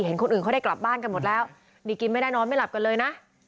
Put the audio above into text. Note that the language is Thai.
เห็นคนอื่นเขาได้กลับบ้านกันหมดแล้วนี่กินไม่ได้นอนไม่หลับกันเลยนะ